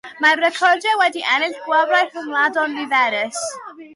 Mae'u recordiau wedi ennill gwobrau rhyngwladol niferus.